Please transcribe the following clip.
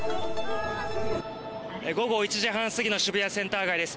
午後１時半過ぎの渋谷センター街です。